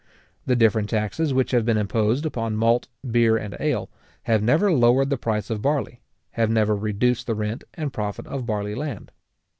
The different taxes which have been imposed upon malt, beer, and ale, have never lowered the price of barley; have never reduced the rent and profit of barley land.